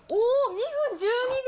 ２分１２秒。